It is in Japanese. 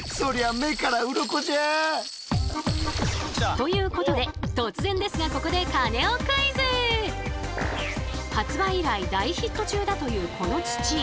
ということで突然ですがここで発売以来大ヒット中だというこの土。